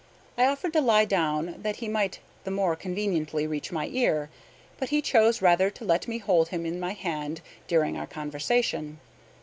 I offered to lie down that he might the more conveniently reach my ear; but he chose rather to let me hold him in my hand during our conversation.